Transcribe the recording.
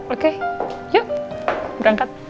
oke yuk berangkat